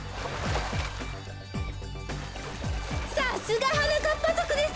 さすがはなかっぱぞくです。